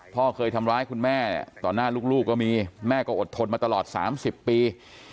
พ่อเคยทำร้ายคุณแม่ต่อหน้าลูกก็มีแม่ก็อดทนมาตลอด๓๐ปี